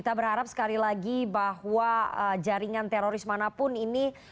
terima kasih sekali lagi bahwa jaringan teroris manapun ini